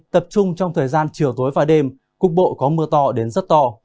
tập trung trong thời gian chiều tối và đêm cục bộ có mưa to đến rất to